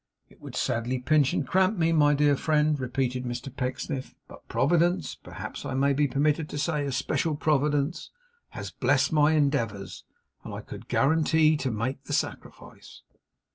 'It would sadly pinch and cramp me, my dear friend,' repeated Mr Pecksniff, 'but Providence perhaps I may be permitted to say a special Providence has blessed my endeavours, and I could guarantee to make the sacrifice.